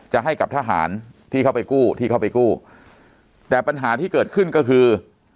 ให้กับทหารที่เข้าไปกู้ที่เข้าไปกู้แต่ปัญหาที่เกิดขึ้นก็คือ